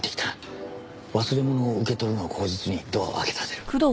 忘れ物を受け取るのを口実にドアを開けさせる。